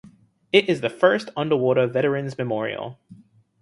It is the first underwater veterans memorial.